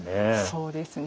そうですね。